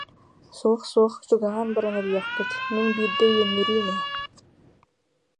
Суох, суох, чугаһаан баран эрийиэхпит, мин биирдэ үөннүрүүм ээ